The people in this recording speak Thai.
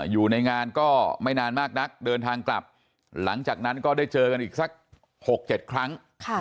อยู่ในงานก็ไม่นานมากนักเดินทางกลับหลังจากนั้นก็ได้เจอกันอีกสัก๖๗ครั้ง